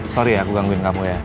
sorry ya aku gangguin kamu ya